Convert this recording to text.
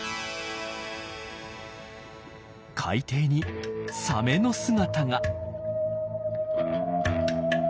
海底にサメの姿が。